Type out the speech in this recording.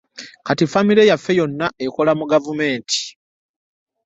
Kati famire yaffe yona ekola mu gavumenti.